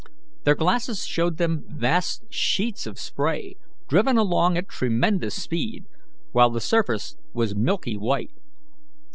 Their glasses showed them vast sheets of spray driven along at tremendous speed, while the surface was milky white.